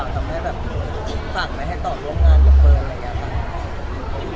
ทำให้แบบฝากมาให้ต่อโรงงานหรือเปลืองอะไรแบบนี้